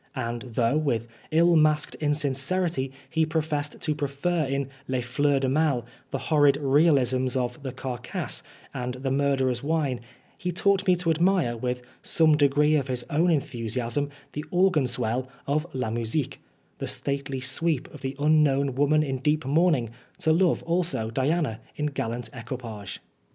And though, with ill masked in sincerity, he professed to prefer in Les Fleurs du Mai, the horrid realisms of The Carcase, and The Murderers Wine, he taught me to admire, with some degree of his own enthusiasm, the organ swell of La Musique, the stately sweep of the unknown woman in deep mourning, to love also Diana in gallant equipage.